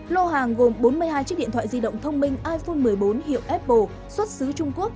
lô hàng gồm bốn mươi hai chiếc điện thoại di động thông minh iphone một mươi bốn hiệu apple xuất xứ trung quốc